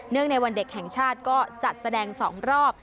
ในวันเด็กแห่งชาติก็จัดแสดง๒รอบ